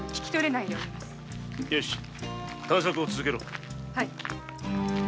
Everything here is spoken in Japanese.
よし探索を続けろ。